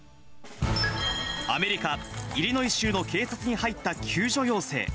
アメリカ・イリノイ州の警察に入った救助要請。